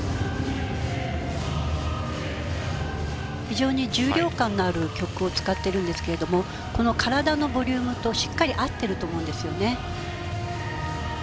非常に重量感のある曲を使ってるんですけれどもこの体のボリュームとしっかり合ってると思うんですよね。